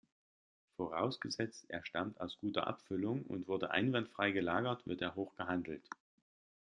Vorausgesetzt, er stammt aus guter Abfüllung und wurde einwandfrei gelagert, wird er hoch gehandelt.